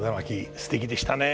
すてきでしたね。